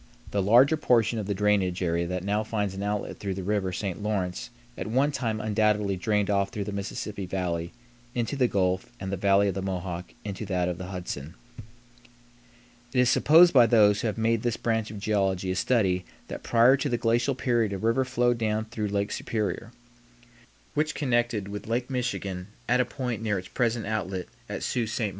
The larger portion of the drainage area that now finds an outlet through the River St. Lawrence at one time undoubtedly drained off through the Mississippi Valley into the Gulf and the Valley of the Mohawk into that of the Hudson. It is supposed by those who have made this branch of geology a study that prior to the glacial period a river flowed down through Lake Superior, which connected with Lake Michigan at a point near its present outlet at Sault Ste.